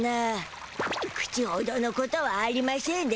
口ほどのことはありましぇんでしたな。